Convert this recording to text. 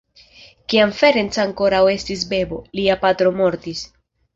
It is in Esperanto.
Kiam Ferenc ankoraŭ estis bebo, lia patro mortis.